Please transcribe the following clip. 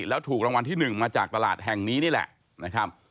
แล้วถูกรางวัลที่๑มาจากตลาดแห่งนี้นี่แหละนะครับ